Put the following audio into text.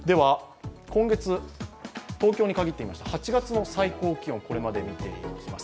今月、東京に限って見ますと、８月の最高気温、これまで見ていきます。